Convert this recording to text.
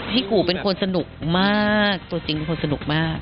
กูเป็นคนสนุกมากตัวจริงเป็นคนสนุกมาก